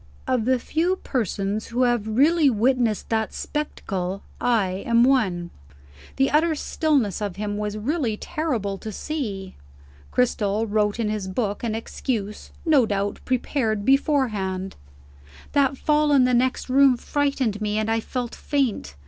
Of the few persons who have really witnessed that spectacle, I am one. The utter stillness of him was really terrible to see. Cristel wrote in his book an excuse, no doubt prepared beforehand: "That fall in the next room frightened me, and I felt faint.